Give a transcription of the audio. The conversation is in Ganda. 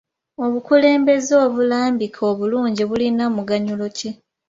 Obukulembeze obulambike obulungi bulina muganyulo ki?